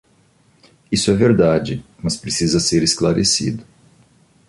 Isso é verdade, mas precisa ser esclarecido.